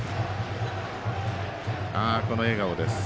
この笑顔です。